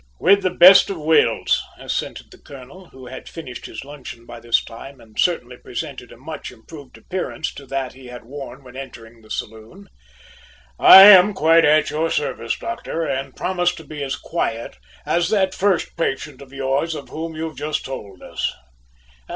"With the best of wills," assented the colonel, who had finished his luncheon by this time and certainly presented a much improved appearance to that he had worn when entering the saloon. "I am quite at your service, doctor, and promise to be as quiet as that first patient of yours of whom you've just told us!"